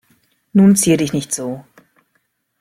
Nun zier dich nicht so.